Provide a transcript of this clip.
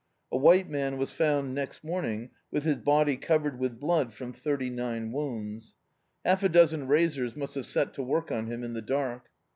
A white man was found next morning with his body covered with blood from thirty^nine wounds. Half a dozen razors must have set to work on him in the dark.